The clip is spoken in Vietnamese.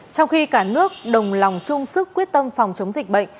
trong khi cả nước đồng lòng chung sức quyết tâm phòng chống dịch bệnh